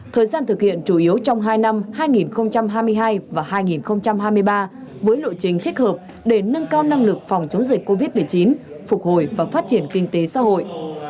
thời gian thực hiện chủ yếu trong hai năm hai nghìn hai mươi hai và hai nghìn hai mươi ba với lộ trình thích hợp để nâng cao năng lực phòng chống dịch covid một mươi chín phục hồi và phát triển kinh tế xã hội